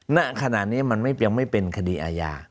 ณขณะนี้มันยังไม่เป็นคดีอาญา